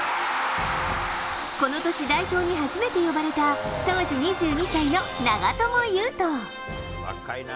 この年、代表に初めて呼ばれた、当時２２歳の長友佑都。